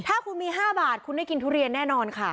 ถ้าคุณมี๕บาทคุณได้กินทุเรียนแน่นอนค่ะ